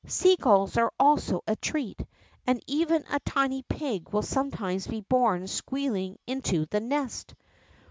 ^ Sea gulls are also a treat, and even a tiny pig will soinietimes be borne squealing into the nest.